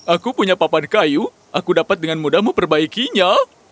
aku punya papan kayu aku dapat dengan mudah memperbaikinya